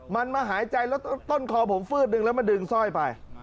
มันมาหายใจแล้วต้นคอผมฟืดดึงแล้วมาดึงสร้อยไป